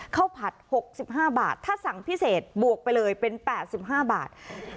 ผัด๖๕บาทถ้าสั่งพิเศษบวกไปเลยเป็น๘๕บาท